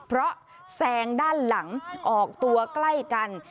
เพราะแซงด้านหลังออกตัวใกล้กัน